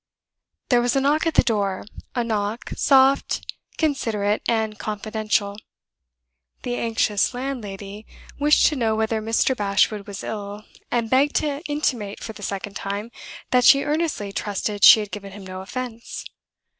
There was a knock at the door a knock, soft, considerate, and confidential. The anxious landlady wished to know whether Mr. Bashwood was ill, and begged to intimate for the second time that she earnestly trusted she had given him no offense.